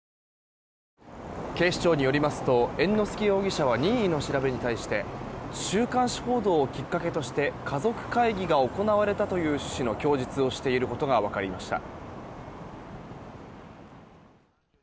警視庁によりますと猿之助容疑者は任意の調べに対して週刊誌報道をきっかけとして家族会議が行われたという趣旨の供述をしていることが分かりました。